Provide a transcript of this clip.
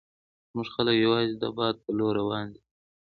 زموږ خلک یوازې د باد په لور روان وي.